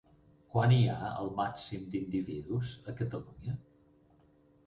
Quan hi ha el màxim d'individus a Catalunya?